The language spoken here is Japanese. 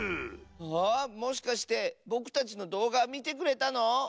あもしかしてぼくたちのどうがみてくれたの？